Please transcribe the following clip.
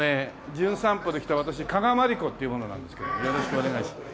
『じゅん散歩』で来た私加賀まりこっていう者なんですけどもよろしくお願いします。